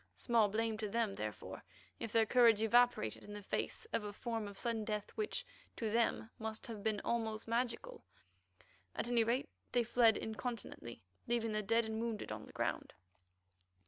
Small blame to them, therefore, if their courage evaporated in face of a form of sudden death which to them must have been almost magical. At any rate they fled incontinently, leaving their dead and wounded on the ground.